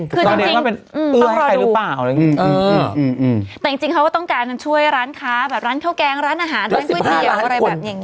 ตอนนี้เขาเป็นเอื้อให้ใครหรือเปล่าแต่จริงเขาก็ต้องการช่วยร้านค้าแบบร้านข้าวแกงร้านอาหารร้านก๋วยเตี๋ยวอะไรแบบนี้